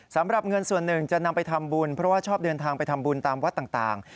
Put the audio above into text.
สำหรับเงินส่วนหนึ่งจะนำไปทำบุญเพราะว่าชอบเดินทางไปทำบุญตามวัดต่าง